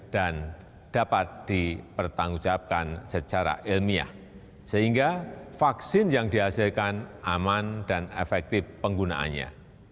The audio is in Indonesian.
dan dapat dipertanggungjawabkan secara ilmiah sehingga vaksin yang dihasilkan aman dan efektif penggunaannya